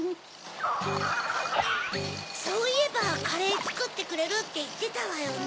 グゥそういえばカレーつくってくれるっていってたわよね。